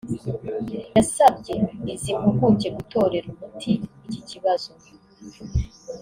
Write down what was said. yasabye izi mpuguke gutorera umuti iki kibazo